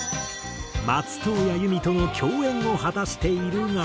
松任谷由実との共演を果たしているが。